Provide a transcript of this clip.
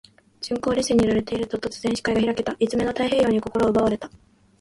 鈍行列車に揺られていると、突然、視界が開けた。一面の太平洋に心を奪われた。